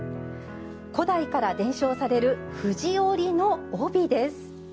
古代から伝承される「藤織り」の帯です。